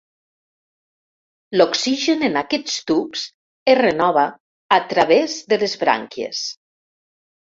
L'oxigen en aquests tubs es renova a través de les brànquies.